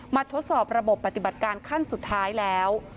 ทดสอบระบบปฏิบัติการขั้นสุดท้ายแล้ว